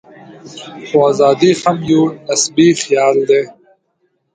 خو ازادي هم یو نسبي خیال دی.